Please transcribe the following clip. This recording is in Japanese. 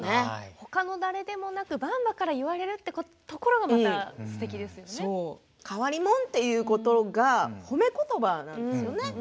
他の誰でもなくばんばから言われるところが変わりもんという言葉が褒め言葉なんですよね。